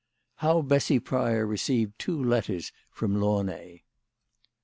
HOW BESSY PRYOR RECEIVED TWO LETTERS FROM LATJNAY.